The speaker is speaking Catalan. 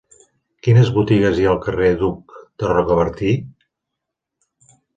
Quines botigues hi ha al carrer d'Hug de Rocabertí?